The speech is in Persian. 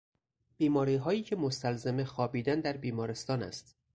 بیماریهایی که مستلزم خوابیدن در بیمارستان است.